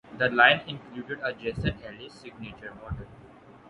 The line included a Jason Ellis signature model.